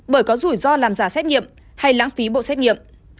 bởi có rủi ro làm giả xét nghiệm hay lãng phí bộ xét nghiệm